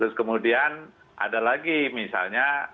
terus kemudian ada lagi misalnya